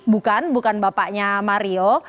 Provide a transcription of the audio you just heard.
bukan bukan bapaknya mario